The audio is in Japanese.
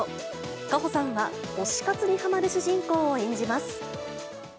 夏帆さんは、推し活にはまる主人公を演じます。